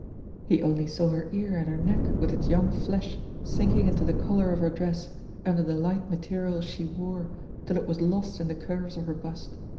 He only saw her ear and her neck with its young flesh sinking into the collar of her dress under the light material she wore till it was lost in the curves of her bust.